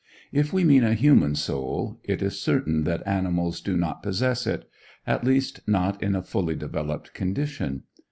If we mean a human soul, it is certain that animals do not possess it, at least not in a fully developed condition.